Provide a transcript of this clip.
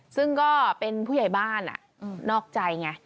ซึ่งก็เป็นผู้ใหญ่บ้านนอกใจไง